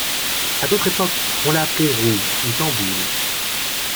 À d'autres époques on l'a appelé roue ou tambour.